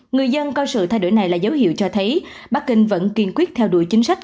người dân coi sự thay đổi này là dấu hiệu cho thấy bắc kinh vẫn kiên quyết theo đuổi chính sách